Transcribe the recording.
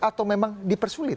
atau memang dipersulit